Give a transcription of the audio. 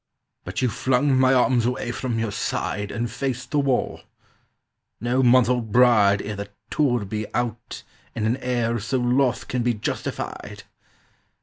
"But you flung my arms away from your side, And faced the wall. No month old bride Ere the tour be out In an air so loth can be justified?